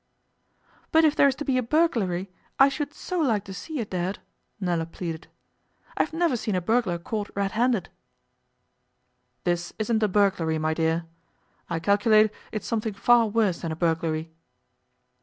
'But if there is to be a burglary I should so like to see it, Dad,' Nella pleaded. 'I've never seen a burglar caught red handed.' 'This isn't a burglary, my dear. I calculate it's something far worse than a burglary.